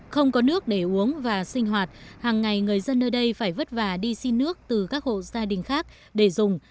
không có nước để uống và sinh hoạt hàng ngày người dân nơi đây phải vất vả đi xin nước từ các hộ gia đình khác để dùng